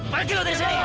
pergi lu dari sini